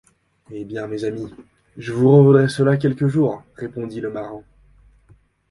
Eh bien, mes amis, je vous revaudrai cela quelque jour! répondit le marin.